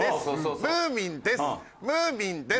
ムーミンです。